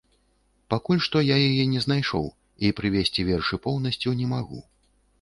Пакуль што я яе не знайшоў і прывесці вершы поўнасцю не магу.